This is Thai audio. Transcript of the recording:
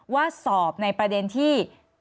ว่าสอบในประเด็นที่